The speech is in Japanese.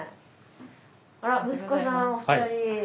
あら息子さんお二人。